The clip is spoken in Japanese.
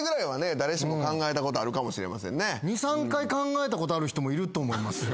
２３回考えたことある人もいると思いますよ。